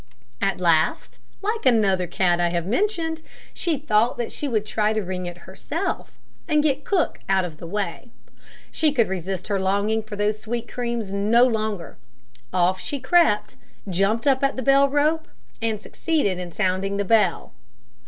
At last, like another cat I have mentioned, she thought that she would try to ring it herself, and get cook out of the way; she could resist her longing for those sweet creams no longer. Off she crept, jumped up at the bell rope, and succeeded in sounding the bell.